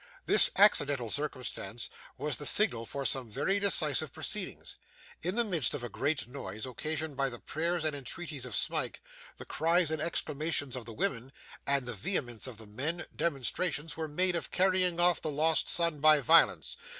This accidental circumstance was the signal for some very decisive proceedings. In the midst of a great noise, occasioned by the prayers and entreaties of Smike, the cries and exclamations of the women, and the vehemence of the men, demonstrations were made of carrying off the lost son by violence.